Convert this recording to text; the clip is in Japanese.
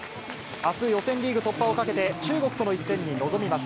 あす予選リーグを突破をかけて、中国との一戦に臨みます。